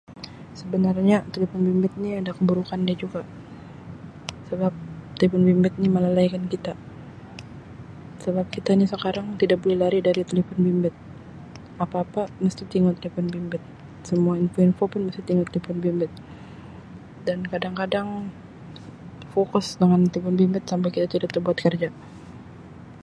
Sebenarnya telefon bimbit ni ada keburukan dia juga sebab telefon bimbit ni melalaikan kita sebab kita ni sekarang tidak buli lari dari telefon bimbit apa-apa mesti tingu telefon bimbit semua info-info pun mesti tingu telefon bimbit dan kadang-kadang fokus dengan telefon bimbit sampai kita tidak tebuat karja.